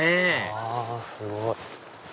あすごい！